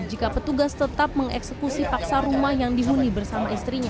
jika petugas tetap mengeksekusi paksa rumah yang dihuni bersama istrinya